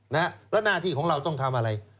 แล้วหน้าที่ของเราต้องทำอะไร